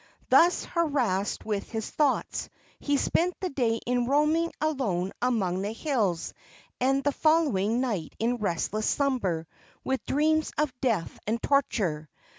Thus harassed with his thoughts, he spent the day in roaming alone among the hills, and the following night in restless slumber, with dreams of death and torture.